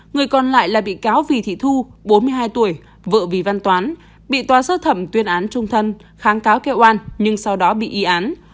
người còn lại là bị cáo vì thị thu bốn mươi hai tuổi vợ vì văn toán bị tòa sơ thẩm tuyên án trung thân kháng cáo kêu an nhưng sau đó bị y án